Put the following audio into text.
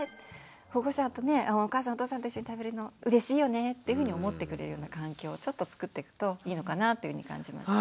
保護者とねお母さんお父さんと一緒に食べるの「うれしいよね」っていうふうに思ってくれるような環境をちょっとつくってくといいのかなというふうに感じました。